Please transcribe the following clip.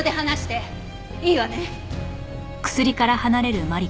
いいわね？